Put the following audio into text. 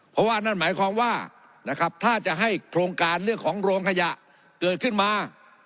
เพราะว่านั่นหมายความว่านะครับถ้าจะให้โครงการเรื่องของโรงขยะเกิดขึ้นมา